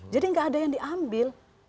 nggak ada yang diambil